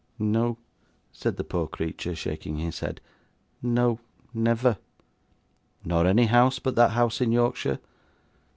'No,' said the poor creature, shaking his head, 'no, never.' 'Nor any house but that house in Yorkshire?